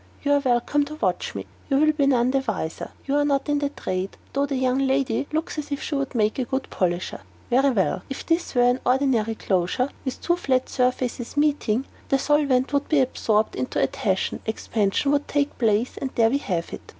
You are welcome to watch me; you will be none the wiser; you are not in the trade, though the young lady looks as if she would make a good polisher. Very well: if this were an ordinary closure, with two flat surfaces meeting, the solvent would be absorbed into the adhesion, expansion would take place, and there we have it.